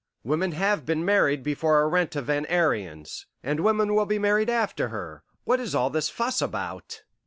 Women have been married before Arenta Van Ariens, and women will be married after her. What is all this fuss about?"